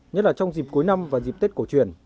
nhất là trong dịp cuối năm và dịp tết cổ truyền